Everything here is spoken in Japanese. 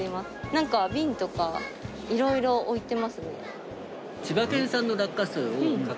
何か瓶とかいろいろ置いてますね。